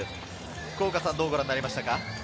福岡さんはどうご覧になりましたか？